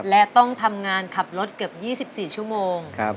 และต้องทำงานขับรถเกือบ๒๔ชั่วโมง